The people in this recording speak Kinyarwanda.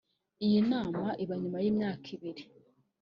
Iyi nama iba nyuma y’imyaka ibiri